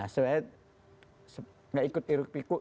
saya tidak ikut iruk pikuk